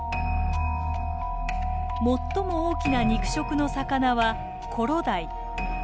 最も大きな肉食の魚はコロダイ。